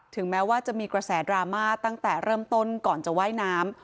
แม้ว่าจะมีกระแสดราม่าตั้งแต่เริ่มต้นก่อนจะว่ายน้ำ